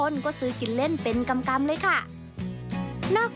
โหเม็ดบัวอบ